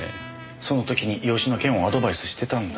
その時に養子の件をアドバイスしてたんだ。